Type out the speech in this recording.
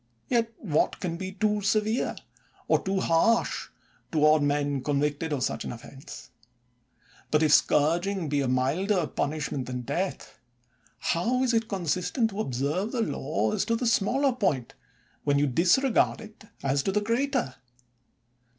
Yet what can be too severe, or too harsh, toward men convicted of such an offense 1 But if scourging be a milder punishment than death, how is it con sistent to observe the law as to the smaller point, when you disregard it as to the greater?